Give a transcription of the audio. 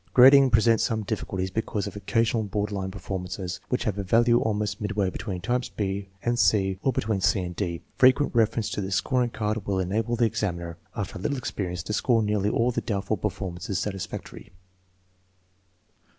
Grading presents some difficulties because of occasional border line performances which have a value almost mid way between types b and c or between c and d. Frequent A reference to the scoring card will enable the examiner, after a little experience, to score nearly all the doubtful performances satisfactorily.